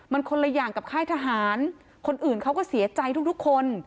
มันคนละอย่างกับค่ายทหารคนอื่นเขาก็เสียใจทุกคน